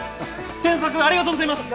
添削ありがとうございます！